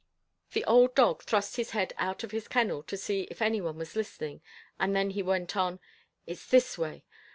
The old dog thrust his head out of his kennel, to see if any one was listening, then he went on. "It's this way.